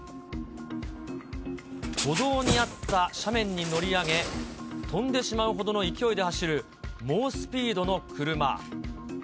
歩道にあった斜面に乗り上げ、飛んでしまうほどの勢いで走る猛スピードの車。